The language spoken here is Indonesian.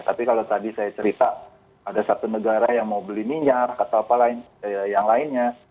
tapi kalau tadi saya cerita ada satu negara yang mau beli minyak atau apa yang lainnya